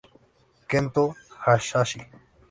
Kento Hayashi